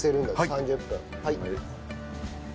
３０分。